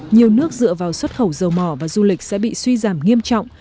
nhiều nước dựa vào xuất khẩu dầu mỏ và du lịch sẽ bị suy giảm nghiêm trọng